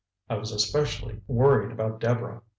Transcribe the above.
I was especially worried about Deborah.